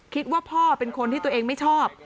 คิดว่าพ่อเป็นคนที่ตัวเองไม่ชอบ